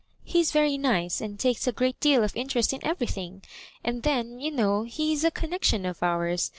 '* He is very nice, and takes a great deal of interest in everything; and then, you know, he is a connectioa of ours.